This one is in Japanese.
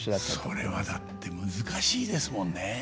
それはだって難しいですもんね。